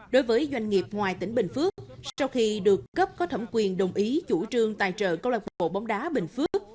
đối với doanh nghiệp ngoài tỉnh bình phước sau khi được cấp có thẩm quyền đồng ý chủ trương tài trợ câu lạc bộ bóng đá bình phước